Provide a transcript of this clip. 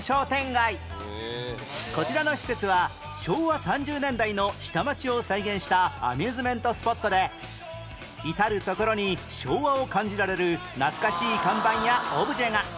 こちらの施設は昭和３０年代の下町を再現したアミューズメントスポットで至る所に昭和を感じられる懐かしい看板やオブジェが